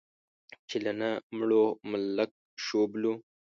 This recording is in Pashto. چې له نه مړو، ملک شوبلو.